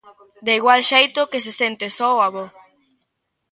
De igual xeito que se sente só o avó.